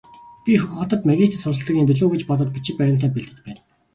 Би Хөх хотод магистрт суралцдаг юм билүү гэж бодоод бичиг баримтаа бэлдэж байна.